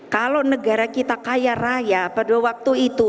kalau negara kita kaya raya pada waktu itu